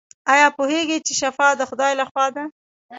ایا پوهیږئ چې شفا د خدای لخوا ده؟